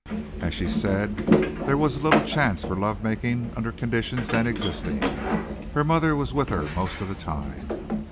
As she said, there was little chance for love making under conditions then existing. Her mother was with her most of the time.